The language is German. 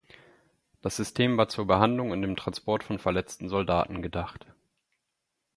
Das System war zur Behandlung und dem Transport von verletzten Soldaten gedacht.